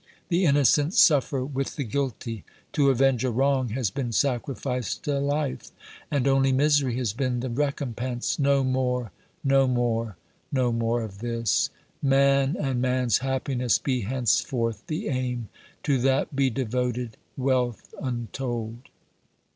The innocent suffer with the guilty. To avenge a wrong has been sacrificed a life, and only misery has been the recompense! No more no more no more of this! Man and man's happiness be henceforth the aim! To that be devoted wealth untold!"